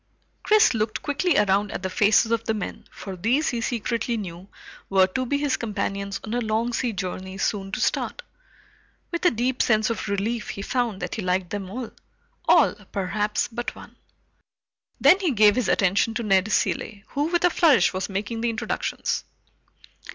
Chris looked quickly around at the faces of the men, for these, he secretly knew, were to be his companions on a long sea journey soon to start. With a deep sense of relief he found that he liked them all. All, perhaps, but one. Then he gave his attention to Ned Cilley, who with a flourish was making the introductions.